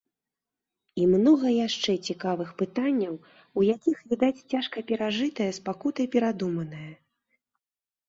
І многа яшчэ цікавых пытанняў, у якіх відаць цяжка перажытае, з пакутай перадуманае.